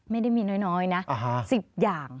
ไม่ได้มีน้อยนะ๑๐อย่าง